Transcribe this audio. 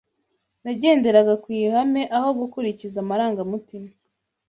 Nagenderaga ku ihame, aho gukurikiza amarangamutima.